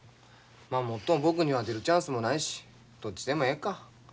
もっとも僕には出るチャンスもないしどっちでもええか。